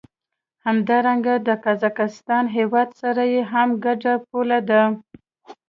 همدارنګه له قزاقستان هېواد سره یې هم ګډه پوله ده.